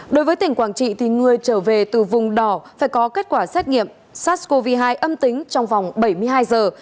đối với tỉnh quảng trị thì người trở về từ vùng đỏ phải có kết quả xét nghiệm sars cov hai âm tính trong vòng bảy mươi hai giờ